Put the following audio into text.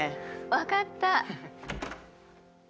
分かった。